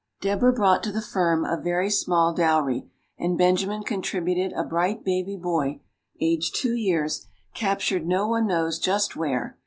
Deborah brought to the firm a very small dowry; and Benjamin contributed a bright baby boy, aged two years, captured no one knows just where.